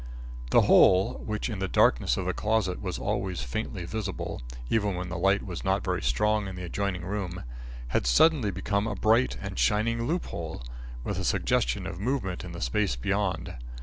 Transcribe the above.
The hole which in the darkness of the closet was always faintly visible, even when the light was not very strong in the adjoining room, had suddenly become a bright and shining loop hole, with a suggestion of movement in the space beyond.